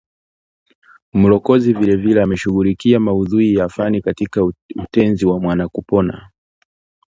Mulokozi vilevile ameshughulikia maudhui na fani katika Utenzi wa Mwanakupona